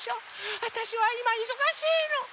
わたしはいまいそがしいの。